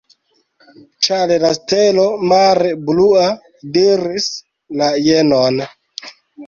Ĉar la stelo, mare blua, diris la jenon.